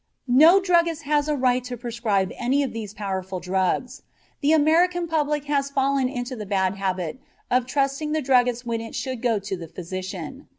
No druggist has a right to prescribe any of these powerful drugs. The American public has fallen into the bad habit of trusting the druggist when it should go to the physician.